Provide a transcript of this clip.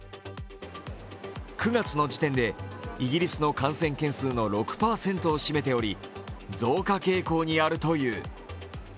９月の時点でイギリスの感染件数の６％を占めており増加傾向にあるという。